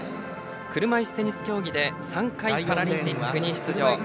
車いすテニス競技で３回パラリンピックに出場。